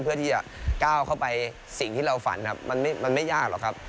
เพื่อที่จะก้าวเข้าไปสิ่งที่เราฝันครับมันไม่ยากหรอกครับ